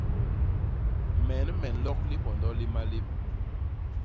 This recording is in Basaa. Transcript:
Men me nlok lipondo li malép.